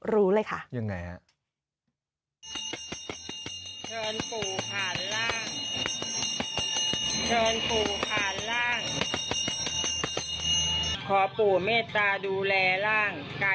รู้เลยค่ะ